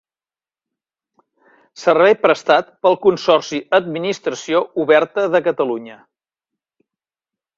Servei prestat pel Consorci Administració Oberta de Catalunya.